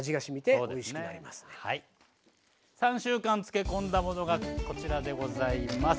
３週間漬け込んだものがこちらでございます。